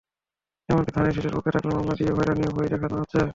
এমনকি ধানের শীষের পক্ষে থাকলে মামলা দিয়ে হয়রানিরও ভয়ও দেখানো হচ্ছে।